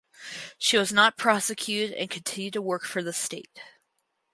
She was not prosecuted and continued to work for the state.